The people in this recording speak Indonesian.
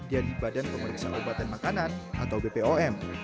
dari badan pemeriksa obat dan makanan atau bpom